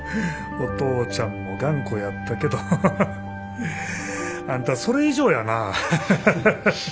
お父ちゃんも頑固やったけどハハハハあんたそれ以上やな。